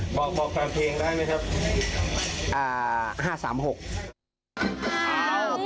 บอกแฟนเพลงได้ไหมครับ